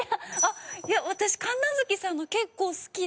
私神奈月さんの結構好きで。